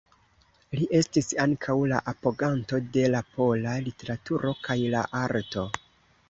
Li estis ankaŭ la apoganto de la pola literaturo kaj la arto.